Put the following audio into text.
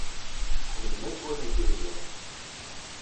Tḥemmlem ad twalim tiliẓri.